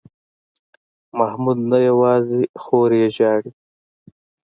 محمود نه یوازې خور یې ژاړي.